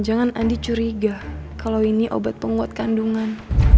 jangan andi curiga kalau ini obat pungut kandungan